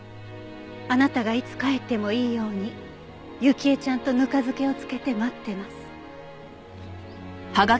「あなたがいつ帰ってもいいように雪絵ちゃんとぬか漬けを漬けて待ってます」